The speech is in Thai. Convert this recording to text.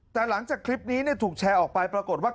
แต่หลังจากคลิปนี้ถูกแชร์ออกไปปรากฏว่า